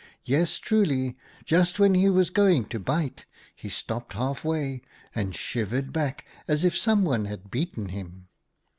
Yes truly, just when he was going to bite, he stopped halfway, and shivered back as if someone had beaten him.